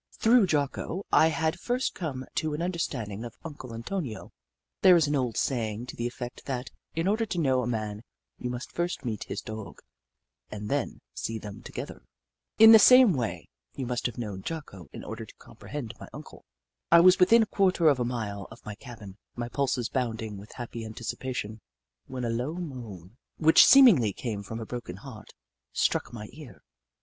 Through Jocko I had first come to an un derstanding of Uncle Antonio. There is an old saying to the effect that, in order to know a man, you must first meet his Dog, and then see them together. In the same way, you must have known Jocko in order to compre hend my Uncle. I was within a quarter of a mile of my cabin, my pulses bounding with happy anticipation, when a low moan, which seemingly came from a broken heart, struck my ear.